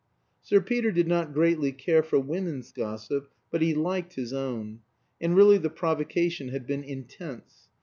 Sir Peter did not greatly care for women's gossip; but he liked his own. And really the provocation had been intense.